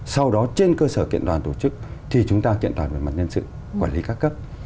sau đó trên cơ sở kiện toàn tổ chức thì chúng ta kiện toàn về mặt nhân sự quản lý các cấp